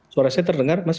suara saya terdengar mas